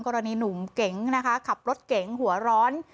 กรณีหนุ่มเก๋งนะคะขับรถเก๋งหัวร้อน